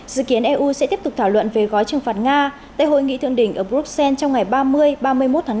dự kiến eu sẽ tiếp tục thảo luận về gói trừng phạt nga tại hội nghị thượng đỉnh ở bruxelles trong ngày ba mươi ba mươi một tháng năm